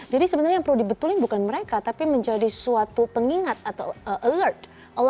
jadi sebenarnya yang perlu dibetulin bukan mereka tapi menjadi suatu pengingat atau alert